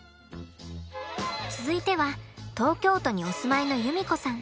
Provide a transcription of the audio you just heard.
続いては東京都にお住まいの由実子さん。